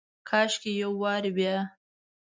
کاشکي یو وارې بیا،